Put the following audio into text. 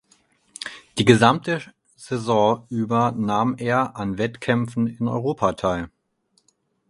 Die gesamte Saison über nahm er an Wettkämpfen in Europa teil.